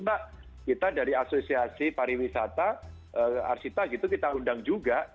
mbak kita dari asosiasi pariwisata arsita gitu kita undang juga